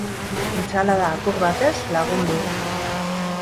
Entsalada apur batez lagundu.